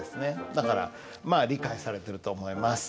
だからまあ理解されてると思います。